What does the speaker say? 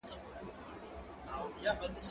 هغه څوک چي قلمان پاکوي منظم وي!.